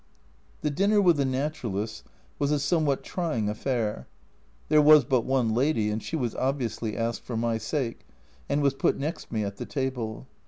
The dinner with the Naturalists was a somewhat trying affair. There was but one lady and she was obviously asked for my sake, and was put next me at the table.